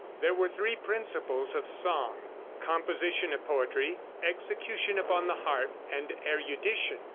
There were three principles of song: Composition of poetry, execution upon the harp, and erudition.